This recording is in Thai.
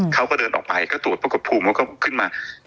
เขาก็เดินออกไปก็ตรวจปรากฏภูมิเขาก็ขึ้นมา